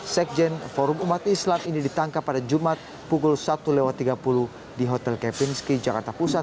sekjen forum umat islam ini ditangkap pada jumat pukul satu tiga puluh di hotel kepinski jakarta pusat